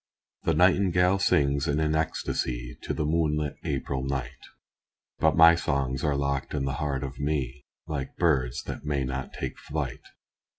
The nightingale sings in an ecstasy To the moonlit April night, But my songs are locked in the heart of me, Like birds that may not take flight.